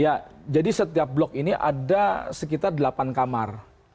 ya jadi setiap blok ini ada sekitar delapan kamar